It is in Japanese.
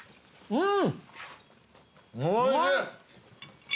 うん！